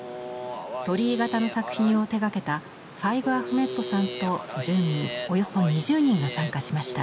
鳥居型の作品を手がけたファイグ・アフメッドさんと住民およそ２０人が参加しました。